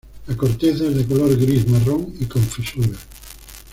La corteza es de color gris-marrón, y con fisuras.